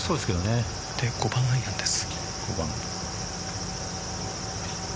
５番アイアンです。